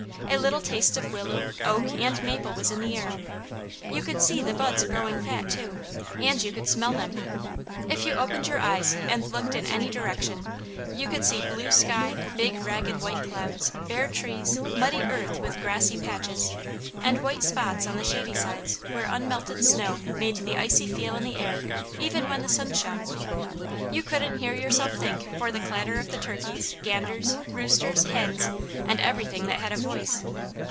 A little taste of willow, oak and maple was in the air. You could see the buds growing fat too, and you could smell them. If you opened your eyes and looked in any direction you could see blue sky, big, ragged white clouds, bare trees, muddy earth with grassy patches, and white spots on the shady sides where unmelted snow made the icy feel in the air, even when the sun shone. You couldn't hear yourself think for the clatter of the turkeys, ganders, roosters, hens, and everything that had a voice.